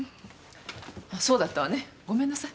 そうだったわねごめんなさい。